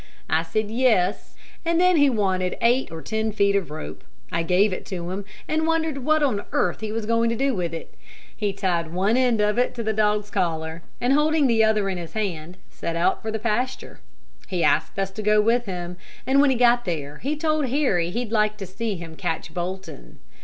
I said yes, and then he wanted eight or ten feet of rope. I gave it to him, and wondered what on earth he was going to do with it. He tied one end of it to the dog's collar, and holding the other in his hand, set out for the pasture. He asked us to go with him, and when he got there, he told Harry he'd like to see him catch Bolton.